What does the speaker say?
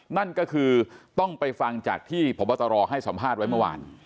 นั่นก็คือต้องไปฟังจากที่พบตรให้สัมภาษณ์ไว้เมื่อวาน